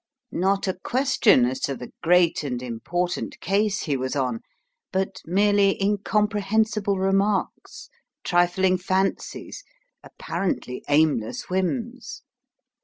Not a question as to the great and important case he was on, but merely incomprehensible remarks, trifling fancies, apparently aimless whims!